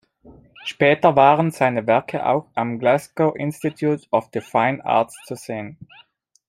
Später waren seine Werke auch am Glasgow Institute of the Fine Arts zu sehen.